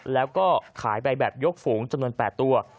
แล้วก็ขายไปแบบยกฝูงจำนวน๘ตัว